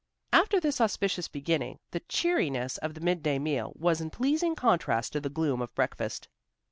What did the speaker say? After this auspicious beginning, the cheeriness of the midday meal was in pleasing contrast to the gloom of breakfast.